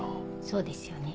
そうですよね。